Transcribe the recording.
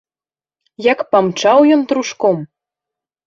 Як памчаў ён трушком!